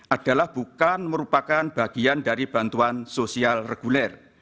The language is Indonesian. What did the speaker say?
adalah bukan merupakan bagian dari bantuan sosial reguler